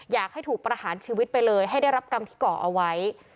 อยากให้ถูกประหารชีวิตไปเลยให้ได้รับกรรมที่ก่อเอาไว้